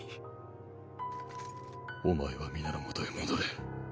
お前は皆のもとへ戻れ。